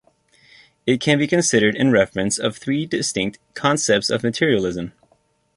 It can be considered in reference of three distinct concepts of materialism.